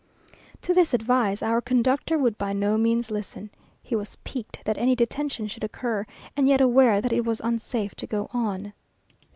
To this advice our conductor would by no means listen. He was piqued that any detention should occur, and yet aware that it was unsafe to go on.